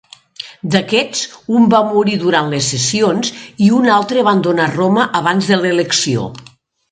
D'aquests, un va morir durant les sessions, i un altre abandonà Roma abans de l'elecció.